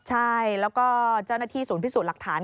ใช่แล้วก็เจ้าหน้าที่ศูนย์พิสูจน์หลักฐาน